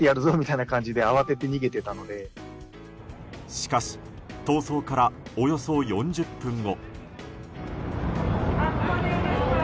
しかし逃走からおよそ４０分後。